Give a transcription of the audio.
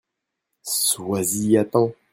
Sois-y à temps !